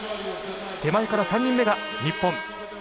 手前から３人目が日本。